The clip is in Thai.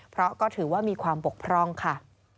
เพราะก็ถือว่ามีความบกพร่องค่ะ